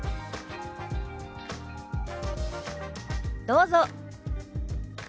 どうぞ。